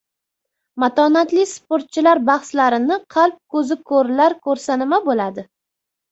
Matonatli sportchilar bahslarini "qalb ko‘zi ko‘rlar" ko‘rsa nima bo‘ladi?